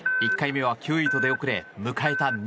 １回目は９位と出遅れ迎えた